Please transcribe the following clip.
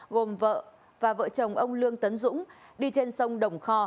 gồm vợ và vợ chồng ông lương tấn dũng đi trên sông đồng kho